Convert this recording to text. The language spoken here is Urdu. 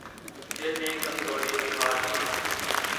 دل نے کمزوری دکھا دی۔